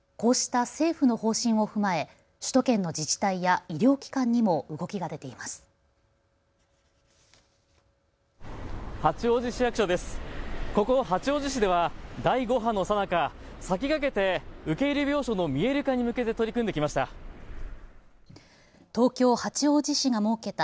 ここ八王子市では第５波のさなか先駆けて、受け入れ病床の見える化に向けて取り組んできました。